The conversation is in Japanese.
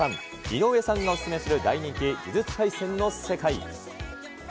井上さんがお勧めする大人気、呪術廻戦の世界。